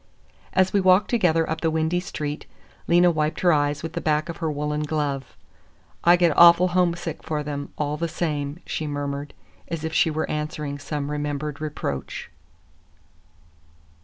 As we walked together up the windy street, Lena wiped her eyes with the back of her woolen glove. "I get awful homesick for them, all the same," she murmured, as if she were answering some remembered reproach.